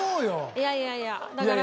いやいやいやだから。